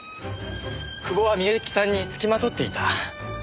久保は深雪さんにつきまとっていた。